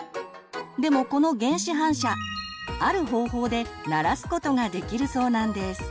でもこの原始反射ある方法で慣らすことができるそうなんです。